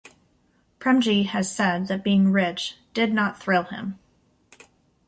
Premji has said that being rich "did not thrill" him.